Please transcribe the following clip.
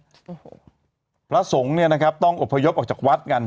โอ้โหพระสงฆ์เนี่ยนะครับต้องอบพยพออกจากวัดกัน